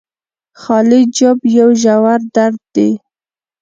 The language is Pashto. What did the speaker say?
خالي جب يو ژور درد دې